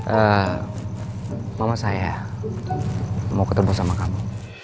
eh mama saya mau ketemu sama kamu